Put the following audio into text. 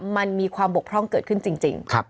มันมีความบกพร่องเกิดขึ้นจริง